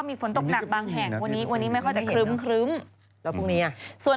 พี่ชอบแซงไหลทางอะเนาะ